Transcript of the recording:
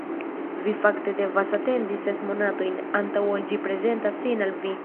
Vi fakte devas atendi ses monatojn, antaŭ ol ĝi prezentas sin al vi.